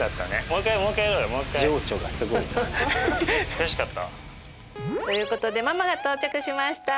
悔しかった？ということでママが到着しました！